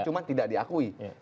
cuma tidak diakui